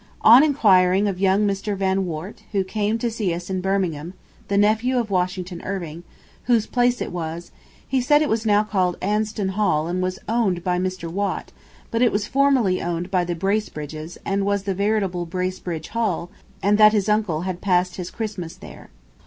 On enquiring of young Mr. Van Wart, who came to see us in Birmingham (the nephew of Washington Irving), whose place it was, he said it was now called Aston Hall and was owned by Mr. Watt, but it was formerly owned by the Bracebridges, and was the veritable "Bracebridge Hall," and that his uncle had passed his Christmas there.